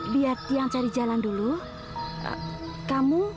biar tiang cari jalan dulu